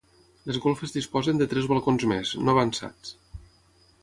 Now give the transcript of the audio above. Les golfes disposen de tres balcons més, no avançats.